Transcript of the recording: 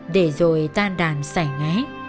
để rồi tan đàn xảy ngáy